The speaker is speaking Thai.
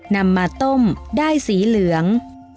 นำมาต้มได้สีเหลือง